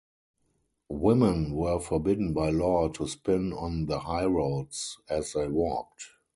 Women were forbidden by law to spin on the highroads as they walked.